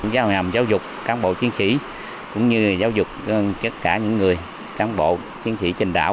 giáo hàm giáo dục cán bộ chiến sĩ cũng như giáo dục tất cả những người cán bộ chiến sĩ trên đảo